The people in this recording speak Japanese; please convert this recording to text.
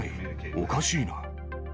おかしいな。